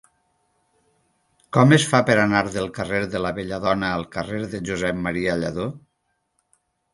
Com es fa per anar del carrer de la Belladona al carrer de Josep M. Lladó?